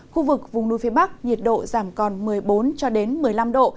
khu vực vùng núi phía bắc nhiệt độ giảm còn một mươi bốn một mươi năm độ